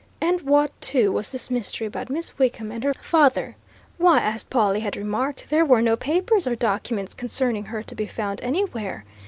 And what, too, was this mystery about Miss Wickham and her father? Why, as Pawle had remarked, were there no papers or documents, concerning her to be found anywhere?